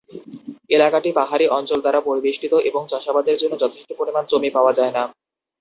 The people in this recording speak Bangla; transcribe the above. এলাকাটি পাহাড়ী অঞ্চল দ্বারা পরিবেষ্টিত এবং চাষাবাদের জন্য যথেষ্ট পরিমাণ জমি পাওয়া যায়না।